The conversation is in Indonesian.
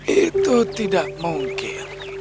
itu tidak mungkin